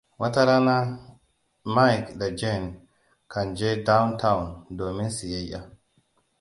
Wata rana Mike da Jane kan je downtown domin siyayya.